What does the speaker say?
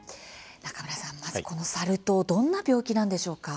中村さん、まずこのサル痘どんな病気なんでしょうか？